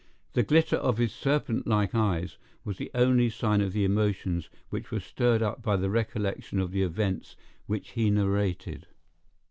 The glitter of his serpentlike eyes was the only sign of the emotions which were stirred up by the recollection of the events which he narrated.